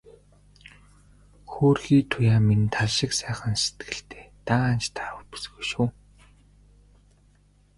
Хөөрхий Туяа минь тал шиг сайхан сэтгэлтэй, даанч даруу бүсгүй шүү.